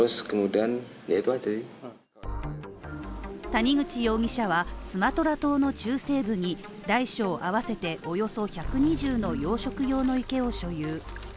谷口容疑者は、スマトラ島の中西部に大小合わせておよそ１２０の養殖用の池を所有。